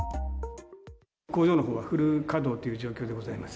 工場のほうはフル稼働という状況でございます。